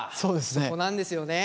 そこなんですよね。